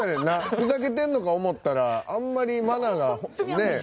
ふざけてんのか思ったらあんまりマナーがねえ。